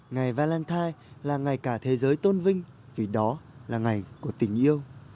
ngày valentine là ngày cả thế giới tôn vinh vì đó là ngày của tình yêu